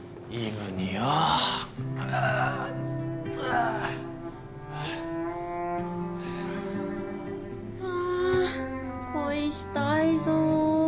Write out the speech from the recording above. あ恋したいぞ。